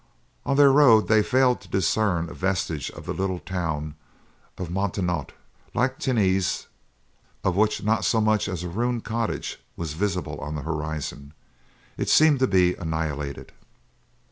On their road they failed to discern a vestige of the little town of Montenotte; like Tenes, of which not so much as a ruined cottage was visible on the horizon, it seemed to be annihilated.